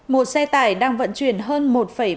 một xe tải đang vận chuyển hơn một năm triệu đồng